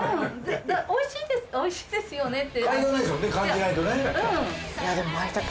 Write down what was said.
おいしいですかおいしいですよねって。